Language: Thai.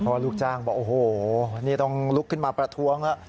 เพราะลูกจ้างบอกโอ้โหนี่ต้องลุกขึ้นมาประท้วงแล้ว